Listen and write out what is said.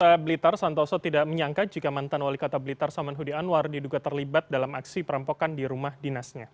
kepala blitar santoso tidak menyangka jika mantan wali kota blitar saman hudi anwar diduga terlibat dalam aksi perampokan di rumah dinasnya